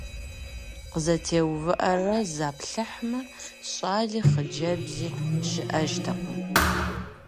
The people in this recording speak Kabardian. КъызэтеувыӀэрэ заплъыхьмэ - щӀали хъыджэбзи щыӀэжтэкъым.